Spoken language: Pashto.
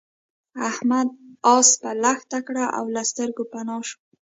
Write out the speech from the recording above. احمد اسپه لښته کړه او له سترګو پنا شو.